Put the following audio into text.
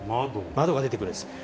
窓が出てくるんです。